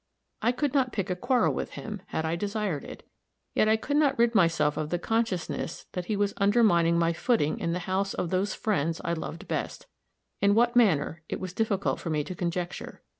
I could not pick a quarrel with him, had I desired it. Yet I could not rid myself of the consciousness that he was undermining my footing in the house of those friends I loved best. In what manner, it was difficult for me to conjecture.